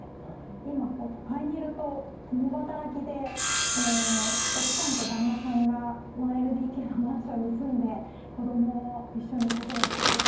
今都会にいると共働きで奥さんと旦那さんが１ＬＤＫのマンションに住んで子供を一緒に子育てすると。